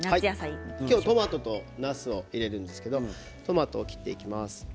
今日はトマトとなすを入れるんですがトマトを切っていきます。